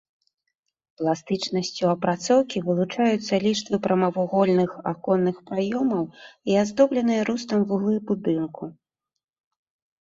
Пластычнасцю апрацоўкі вылучаюцца ліштвы прамавугольных аконных праёмаў і аздобленыя рустам вуглы будынку.